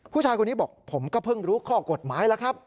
ผู้ชายคนนี้บอกผมก็เพิ่งรู้ข้อกฎหมายแล้วครับ